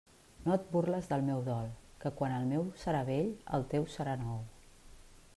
No et burles del meu dol, que quan el meu serà vell, el teu serà nou.